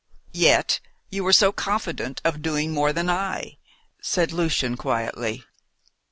"Yet you were so confident of doing more than I," said Lucian quietly.